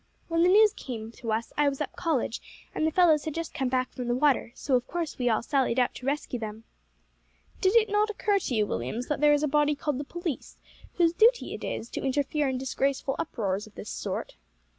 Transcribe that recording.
When the news came to us I was up College, and the fellows had just come back from the water, so of course we all sallied out to rescue them." "Did it not occur to you, Williams, that there is a body called the police, whose duty it is to interfere in disgraceful uproars of this sort?"